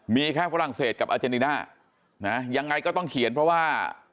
มีแค่ฝรั่งเศสกับอาเจนีน่านะยังไงก็ต้องเขียนเพราะว่า